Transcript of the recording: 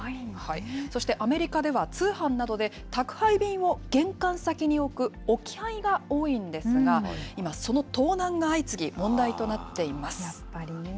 そしてアメリカでは通販などで、宅配便を玄関先に置く、置き配が多いんですが、今、その盗難が相次ぎ、問題となっていまやっぱりね。